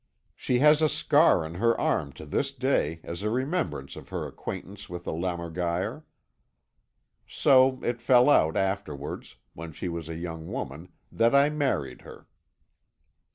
She has a scar on her left arm to this day as a remembrance of her acquaintance with the lämmergeier. So it fell out afterwards, when she was a young woman, that I married her."